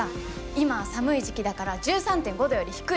今は寒い時期だから１３．５度より低い！